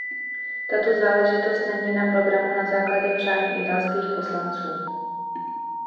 Tato záležitost není na programu na základě přání italských poslanců.